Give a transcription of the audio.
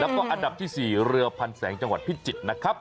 แล้วก็อันดับที่๔เรือพันแสงจังหวัดพิจิตรนะครับ